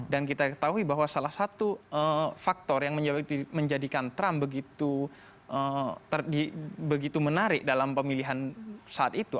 dan kita ketahui bahwa salah satu faktor yang menjadikan trump begitu menarik dalam pemilihan saat itu